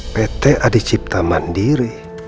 pt adi cipta mandiri